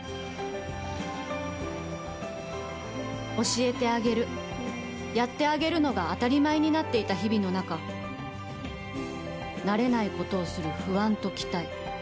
教えてあげるやってあげるのが当たり前になっていた日々の中慣れないことをする不安と期待。